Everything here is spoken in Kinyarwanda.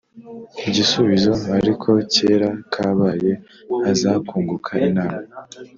igisubizo ariko kera kabaye aza kunguka inama